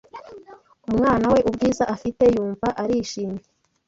umwana we ubwiza afite yumva arishimye